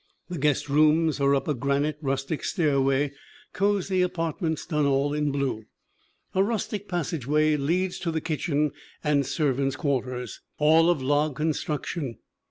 The guest rooms are up a granite rustic stairway cozy CORRA HARRIS 157 apartments done all in blue. A rustic passageway leads to the kitchen and servants' quarters, all of log con struction.